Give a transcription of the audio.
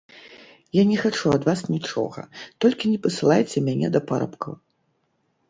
Я не хачу ад вас нічога, толькі не пасылайце мяне да парабкаў.